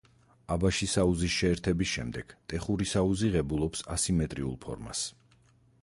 აბაშის აუზის შეერთების შემდეგ ტეხურის აუზი ღებულობს ასიმეტრიულ ფორმას.